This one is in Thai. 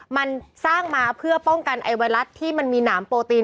มันสร้างมาเพื่อป้องกันไอไวรัสที่มันมีหนามโปรตีน